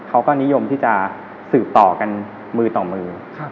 เขาก็นิยมที่จะสืบต่อกันมือต่อมือ